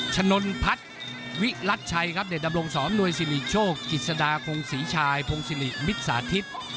ฉนนพัทวิรัตชัยครับเด็ดดำรงสอบนวยศิลิโชคกิจสดาคงศรีชายพงศิลิมิตสาธิต